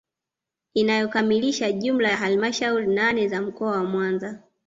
Inayokamilisha jumla ya halmashauri nane za mkoa wa Mwanza